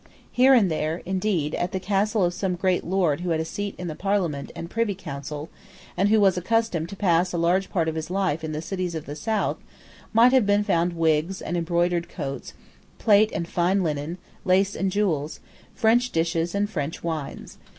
Here and there, indeed, at the castle of some great lord who had a seat in the Parliament and Privy Council, and who was accustomed to pass a large part of his life in the cities of the South, might have been found wigs and embroidered coats, plate and fine linen, lace and jewels, French dishes and French wines.